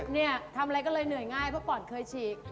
เนี่ยทำอะไรก็เลยเหนื่อยง่ายเพราะก่อนเคยฉีก